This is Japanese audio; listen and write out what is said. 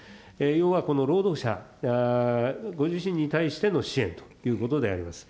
要はこの労働者ご自身に対しての支援ということであります。